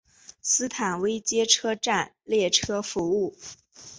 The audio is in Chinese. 斯坦威街车站列车服务。